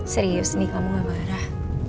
serius nih kamu gak marah